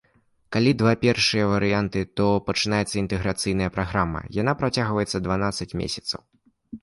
Калі два першыя варыянты, то пачынаецца інтэграцыйная праграма, яна працягваецца дванаццаць месяцаў.